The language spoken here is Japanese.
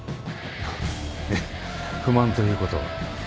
いえ不満ということは。